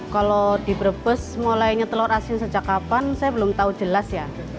kalau direbus telur asin mulainya sejak kapan saya belum tahu jelas ya